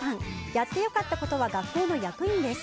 やってよかったことは学校の役員です。